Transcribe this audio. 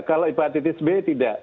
kalau hepatitis b tidak